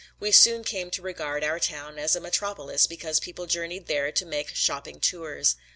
We soon came to regard our town as a metropolis because people journeyed there to make "shopping tours."